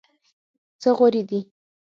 څه غورې دي.